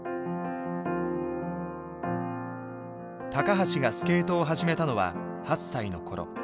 橋がスケートを始めたのは８歳の頃。